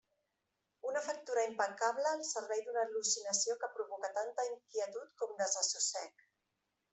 Una factura impecable al servei d'una al·lucinació que provoca tanta inquietud com desassossec.